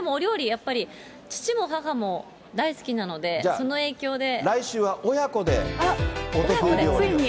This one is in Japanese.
やっぱり、父も母も大好きなので、その影響で。